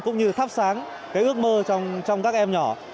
cũng như thắp sáng cái ước mơ trong các em nhỏ